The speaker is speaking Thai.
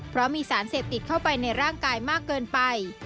เพราะมีสารเสพติดเข้าไปในร่างกายมากเกินไป